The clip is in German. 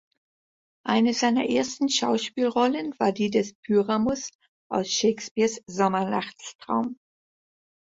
Eine seiner ersten Schauspielrollen war die des Pyramus aus Shakespeares "Sommernachtstraum".